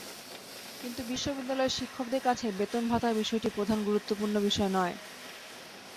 কিন্তু বিশ্ববিদ্যালয়ের শিক্ষকদের কাছে বেতন ভাতার বিষয়টি প্রধান গুরুত্বপূর্ণ বিষয় নয়।